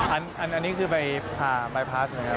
อันนี้คือใบผ่าบายพลาสนะครับ